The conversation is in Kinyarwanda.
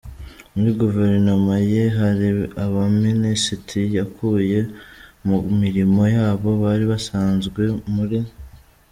Muri Guverinoma ye hari abaminisiti yakuye ku mirimo yabo bari basanzwe muri.